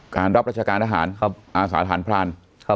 การรับราชการอาหารอาสาธารณ์พลัน